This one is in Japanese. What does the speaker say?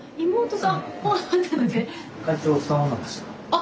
あ！